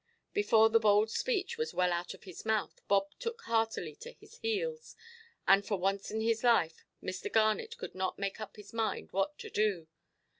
Before the bold speech was well out of his mouth, Bob took heartily to his heels; and, for once in his life, Mr. Garnet could not make up his mind what to do.